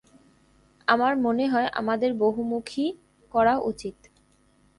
আমার মনে হয় আমাদের বহুমুখী করা উচিত।